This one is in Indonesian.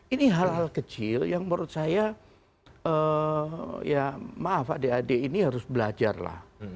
ini hal hal kecil yang menurut saya ya maaf adik adik ini harus belajar lah